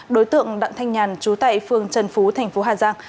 đối tượng đặng thanh nhàn chú tại phương trần phú thành phố hà giang